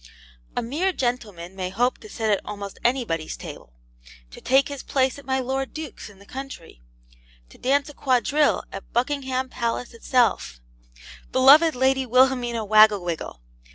A mere gentleman may hope to sit at almost anybody's table to take his place at my lord duke's in the country to dance a quadrille at Buckingham Palace itself (beloved Lady Wilhelmina Wagglewiggle!